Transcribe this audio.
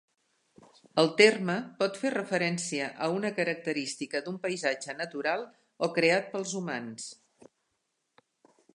El terme pot fer referència a una característica d'un paisatge natural o creat pels humans.